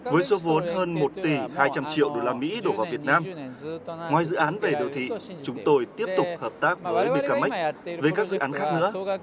với số vốn hơn một tỷ hai trăm linh triệu đô la mỹ đổ vào việt nam ngoài dự án về đô thị chúng tôi tiếp tục hợp tác với bkmac về các dự án khác nữa